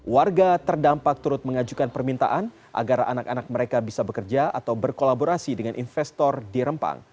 warga terdampak turut mengajukan permintaan agar anak anak mereka bisa bekerja atau berkolaborasi dengan investor di rempang